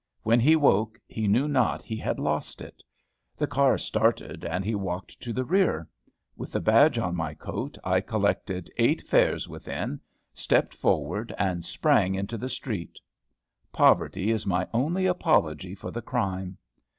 When he woke, he knew not he had lost it. The car started, and he walked to the rear. With the badge on my coat, I collected eight fares within, stepped forward, and sprang into the street. Poverty is my only apology for the crime.